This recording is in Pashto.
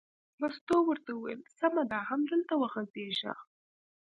مستو ورته وویل: سمه ده همدلته وغځېږه.